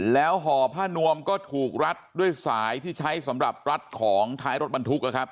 แล้วห่อผ้านวมก็ถูกรัดด้วยสายที่ใช้สำหรับรัดของท้ายรถบรรทุกนะครับ